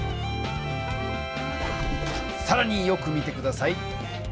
さらによく見て下さい。